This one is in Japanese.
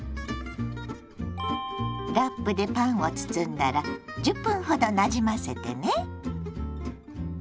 ラップでパンを包んだら１０分ほどなじませてね。